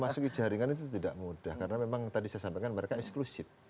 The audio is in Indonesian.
memasuki jaringan itu tidak mudah karena memang tadi saya sampaikan mereka eksklusif